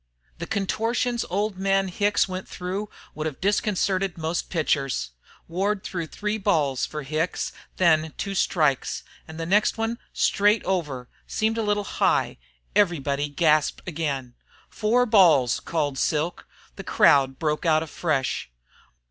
The contortions old man Hicks went through would have disconcerted most pitchers. Ward threw three balls for Hicks, then two strikes, and the next one, straight over, seemed a little high. Everybody gasped again. "Four balls!" called Silk. The crowd broke out afresh.